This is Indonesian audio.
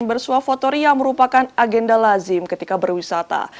bersuafotoria merupakan agenda lazim ketika berwisata